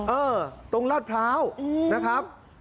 เออตรงลาดพร้าวนะครับ